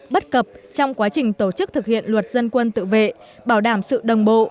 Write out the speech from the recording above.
bất cập trong quá trình tổ chức thực hiện luật dân quân tự vệ bảo đảm sự đồng bộ